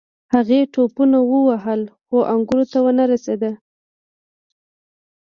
هغې ټوپونه ووهل خو انګورو ته ونه رسیده.